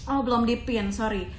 oh belum dipin sorry